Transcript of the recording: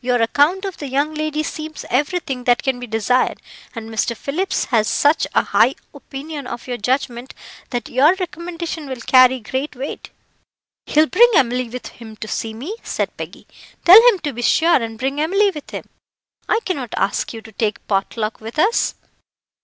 Your account of the young lady seems everything that can be desired, and Mr. Phillips has such a high opinion of your judgment that your recommendation will carry great weight." "He'll bring Emily with him to see me," said Peggy. "Tell him to be sure and bring Emily with him. I cannot ask you to take pot luck with us."